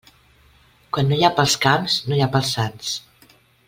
Quan no hi ha pels camps no hi ha per als sants.